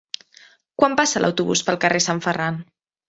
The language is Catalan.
Quan passa l'autobús pel carrer Sant Ferran?